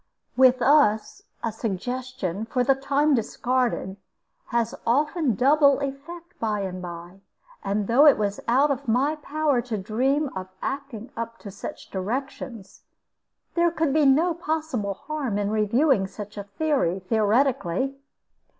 With us a suggestion, for the time discarded, has often double effect by and by; and though it was out of my power to dream of acting up to such directions, there could be no possible harm in reviewing such a theory theoretically.